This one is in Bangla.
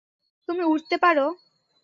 তুমি উড়তে পারো?